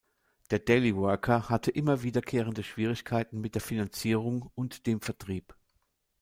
Der "Daily Worker" hatte immer wiederkehrende Schwierigkeiten mit der Finanzierung und dem Vertrieb.